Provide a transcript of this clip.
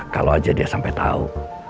kalau aja dia sampai tahu